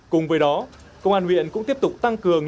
cùng với đó công an huyện cũng tiếp tục tăng cường